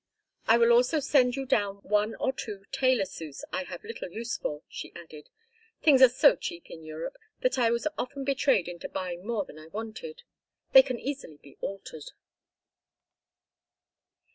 "I will also send you down one or two tailor suits I have little use for," she added. "Things are so cheap in Europe that I was often betrayed into buying more than I wanted. They can easily be altered."